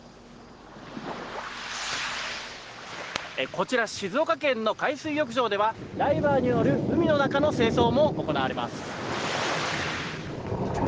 こちら、静岡県の海水浴場では、ダイバーによる海の中の清掃も行われます。